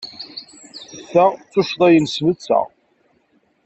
Ta d tuccḍa-nnes netta.